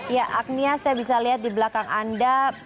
ya agnia saya bisa lihat di belakang anda